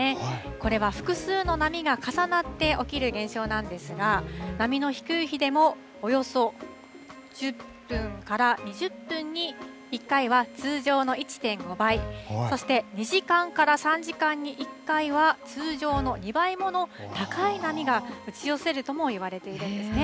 これは複数の波が重なって起きる現象なんですが波の低い日でもおよそ１０分から２０分に１回は通常の１．５倍そして２時間から３時間に１回は通常の２倍もの高い波が打ち寄せるとも言われているんですね。